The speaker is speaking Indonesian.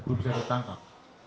belum bisa ditangkap